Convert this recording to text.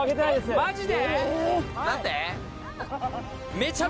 マジで？